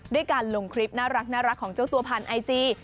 ด้วยการลงคลิปน่ารักของเจ้าตัวผ่านไอจี